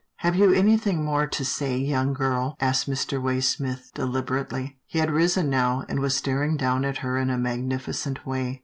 " Have you anything more to say, young girl ?" asked Mr. Waysmith, deliberately. He had risen now, and was staring down at her in a magnificent way.